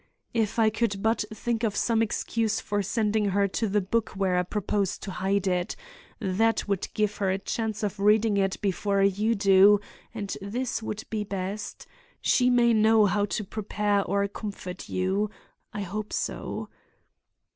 If I could but think of some excuse for sending her to the book where I propose to hide it! that would give her a chance of reading it before you do, and this would be best. She may know how to prepare or comfort you—I hope so.